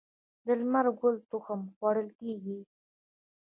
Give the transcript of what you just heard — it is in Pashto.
د لمر ګل تخم خوړل کیږي.